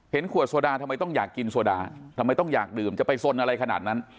ขวดโซดาทำไมต้องอยากกินโซดาทำไมต้องอยากดื่มจะไปสนอะไรขนาดนั้น